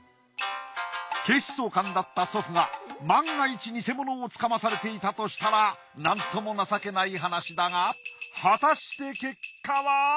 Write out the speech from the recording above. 警視総監だった祖父が万が一偽物をつかまされていたとしたらなんとも情けない話だが果たして結果は！？